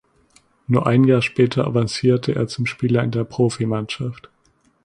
Nur ein Jahr später avancierte er zum Spieler in der Profimannschaft.